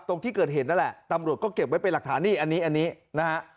ตรงที่เกิดเหตุนั่นแหละตำรวจก็เก็บไว้เป็นหลักฐานนี่อันนี้นะฮะ